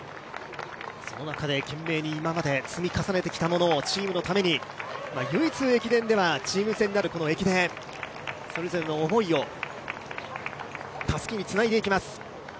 その中で懸命に今まで積み重ねてきたものをチームのために、唯一、陸上ではチーム戦になる駅伝それぞれの思いを、たすきにつないでいきます。